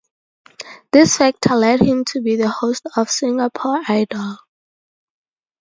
This factor led him to be the host of Singapore Idol.